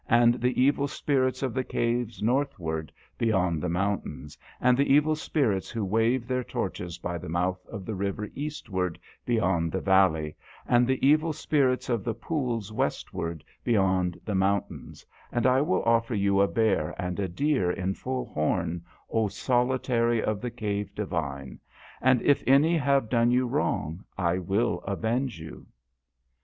177 and the evil spirits of the caves northward beyond the moun tains, and the evil spirits who wave their torches by the mouth of the river eastward beyond the valley, and the evil spirits of the pools westward beyond the mountains, and I will offer you a bear and a deer in full horn, O solitary of the cave divine, and if any have done you wrong I will avenge you."